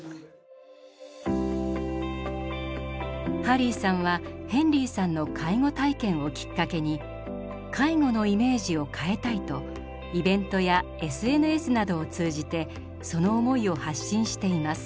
ハリーさんはヘンリーさんの介護体験をきっかけにとイベントやＳＮＳなどを通じてその思いを発信しています。